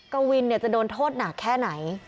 กวินจะโดนโทษหนักแค่ไหน